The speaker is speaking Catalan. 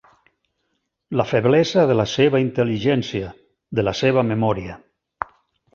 La feblesa de la seva intel·ligència, de la seva memòria.